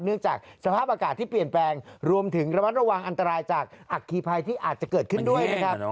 จากสภาพอากาศที่เปลี่ยนแปลงรวมถึงระมัดระวังอันตรายจากอัคคีภัยที่อาจจะเกิดขึ้นด้วยนะครับ